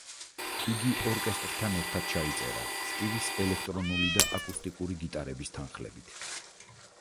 იგი ორკესტრთან ერთად ჩაიწერა, სტივის ელექტრონული და აკუსტიკური გიტარების თანხლებით.